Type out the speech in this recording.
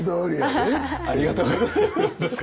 ありがとうございます。